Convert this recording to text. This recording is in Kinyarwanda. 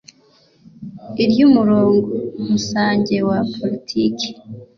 iry umurongo rusange wa politiki